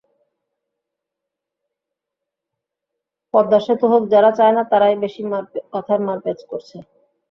পদ্মা সেতু হোক যারা চায় না, তারাই বেশি কথার মারপ্যাঁচ করছে।